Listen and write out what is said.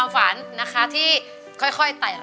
อันดับนี้เป็นแบบนี้